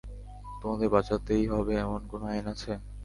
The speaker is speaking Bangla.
তোমাদের বাঁচাতেই হবে, এমন কোন আইন আছে?